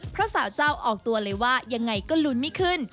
เพราะสาวเจ้าออกตัวเลยว่ายังไงก็ลุ้นไม่ขึ้น